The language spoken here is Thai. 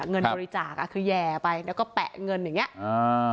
เงินบริจาคอ่ะคือแห่ไปแล้วก็แปะเงินอย่างเงี้อ่า